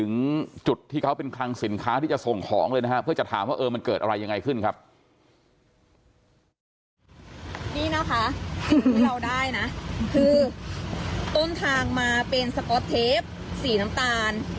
นี่นะคะที่เราได้นะคือต้นทางมาเป็นสก๊อตเทปสีน้ำตาล